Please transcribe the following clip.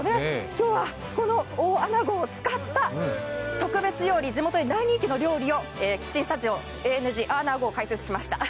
今日は、この大あなごを使った特別料理、地元で大人気の料理をキッチンスタジオを用意しました。